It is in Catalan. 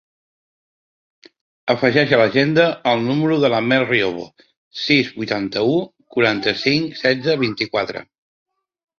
Afegeix a l'agenda el número de la Mel Riobo: sis, vuitanta-u, quaranta-cinc, setze, vint-i-quatre.